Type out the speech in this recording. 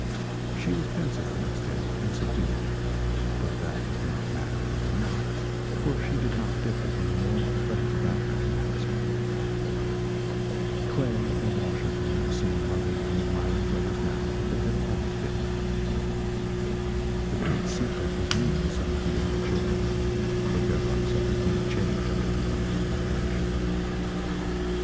She was pensive, the next day, and subdued; but that was not matter for remark, for she did not differ from the mournful friends about her in that respect. Clay and Washington were the same loving and admiring brothers now that they had always been. The great secret was new to some of the younger children, but their love suffered no change under the wonderful revelation.